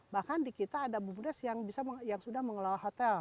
bahkan di kita ada bumdes yang sudah mengelola hotel